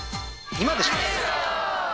今でしょ！